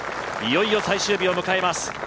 いよいよ最終日を迎えます